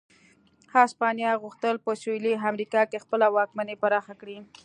هسپانیا غوښتل په سوېلي امریکا کې خپله واکمني پراخه کړي.